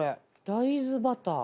大豆バター。